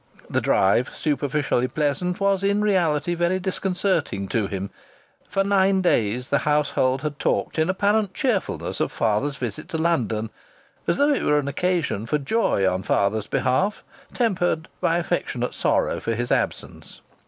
The drive, superficially pleasant, was in reality very disconcerting to him. For nine days the household had talked in apparent cheerfulness of father's visit to London, as though it were an occasion for joy on father's behalf, tempered by affectionate sorrow for his absence.